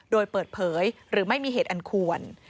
โดยเปิดเผยหรือไม่มีเหตุอันควร